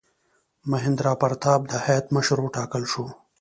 میهندراپراتاپ د هیات مشر وټاکل شو.